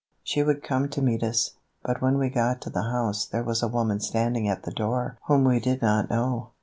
She would come to meet us. But when we got to the house there was a woman standing at the door whom we did not know.